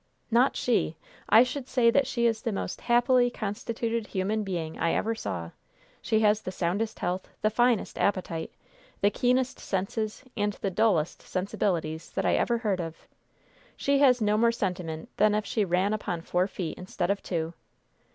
"Not she! I should say that she is the most happily constituted human being I ever saw. She has the soundest health, the finest appetite, the keenest senses and the dullest sensibilities that I ever heard of. She has no more sentiment than if she ran upon four feet, instead of two!